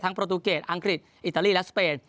ทั้งประตูเกียรติอังกฤษอิตาลีและสเปน